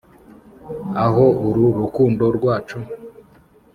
aho uru rukundo rwacu